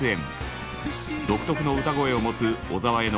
独特の歌声を持つ小沢への。